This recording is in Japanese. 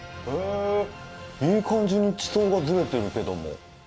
いい感じに地層がずれているけども。